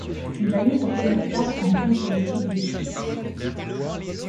Il a eu sa première cape en contre l'équipe de Suisse.